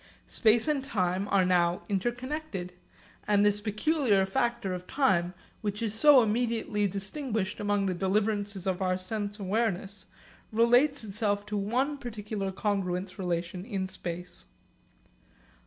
Space and time are now interconnected; and this peculiar factor of time which is so immediately distinguished among the deliverances of our sense awareness, relates itself to one particular congruence relation in space.